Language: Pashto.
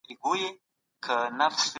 که قدرت له حده زيات سي د فساد لامل ګرځي.